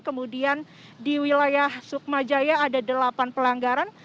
kemudian di wilayah sukmajaya ada delapan pelanggaran